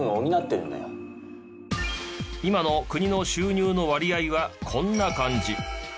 今の国の収入の割合はこんな感じ。